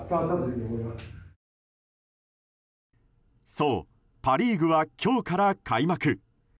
そう、パ・リーグは今日から開幕。